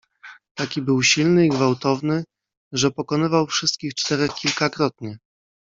"Taki był silny i gwałtowny, że pokonywał wszystkich czterech kilkakrotnie."